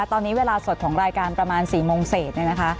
ตอนนี้เวลาสดของรายการประมาณ๔โมงเศษ